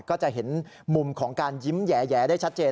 ก็จะเห็นมุมของการยิ้มแหยได้ชัดเจน